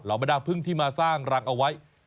เราไม่ได้เอาพึ่งที่มาสร้างรังเอาไว้